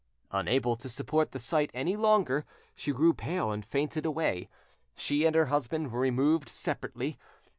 Unable to support the sight any longer, she grew pale and fainted away. She and her husband were removed separately.